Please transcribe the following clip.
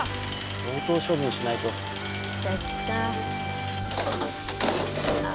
相当処分しないと。来た来た。